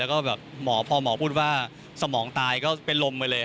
แล้วก็แบบหมอพอหมอพูดว่าสมองตายก็เป็นลมไปเลย